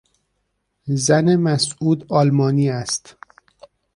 زن مسعود آلمانی است.